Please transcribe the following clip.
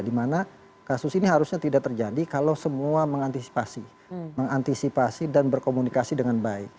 dimana kasus ini harusnya tidak terjadi kalau semua mengantisipasi dan berkomunikasi dengan baik